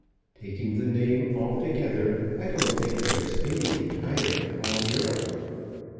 Taking the name altogether, I don't think there is anything higher in all Europe.